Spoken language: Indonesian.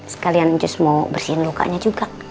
sekalian just mau bersihin lukanya juga